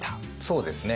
そうですね。